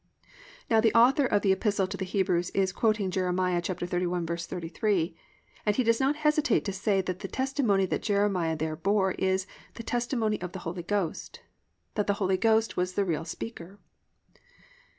"+ Now the author of the Epistle to the Hebrews is quoting Jer. 31:33, and he does not hesitate to say that the testimony that Jeremiah there bore is the testimony of the Holy Ghost, that the Holy Ghost was the real speaker.